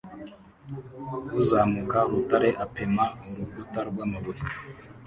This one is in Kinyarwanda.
Uzamuka urutare apima urukuta rw'amabuye